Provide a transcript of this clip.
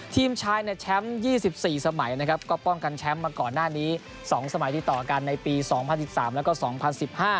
ทีมชายเนี่ยแชมป์ยี่สิบสี่สมัยนะครับก็ป้องกันแชมป์มาก่อนหน้านี้สองสมัยที่ต่อกันในปีสองพันสิบสามแล้วก็สองพันสิบห้า